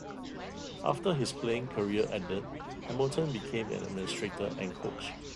After his playing career ended, Hamilton became an administrator and coach.